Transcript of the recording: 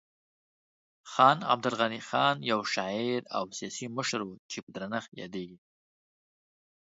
خان عبدالغني خان یو شاعر او سیاسي مشر و چې په درنښت یادیږي.